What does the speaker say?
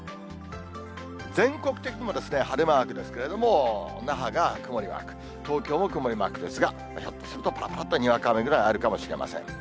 全国的にも晴れマークですけれども、那覇が曇りマーク、東京も曇りマークですが、ひょっとすると、ぱらぱらっとにわか雨ぐらいもあるかもしれません。